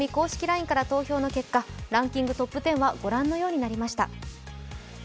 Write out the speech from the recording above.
ＬＩＮＥから投票の結果、ランキングトップ１０はご覧のようになりました。